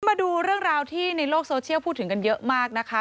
มาดูเรื่องราวที่ในโลกโซเชียลพูดถึงกันเยอะมากนะคะ